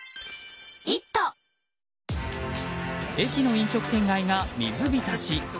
駅の飲食店街が水浸し。